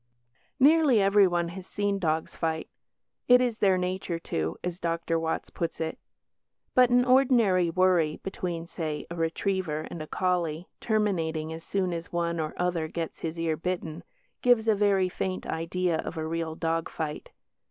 Nearly everyone has seen dogs fight "it is their nature to", as Dr. Watts put it. But an ordinary worry between (say) a retriever and a collie, terminating as soon as one or other gets his ear bitten, gives a very faint idea of a real dog fight.